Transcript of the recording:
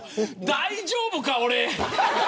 大丈夫か俺。